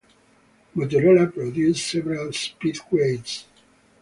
Motorola produced several speed grades.